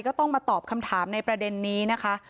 ก็ต้องมาตอบคำถามในประเด็นนี้นะคะ